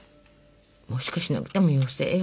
もしかしなくても妖精よ。